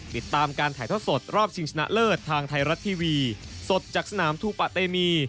ติดตามการถ่ายทอดสดรอบชิงชนะเลิศทางไทยรัฐทีวีสดจากสนามทูปะเตมี